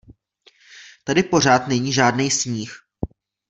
Tady pořád není žádnej sníh.